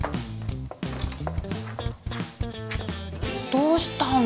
どうしたの？